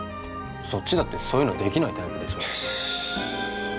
そっちだってそういうのできないタイプでしょ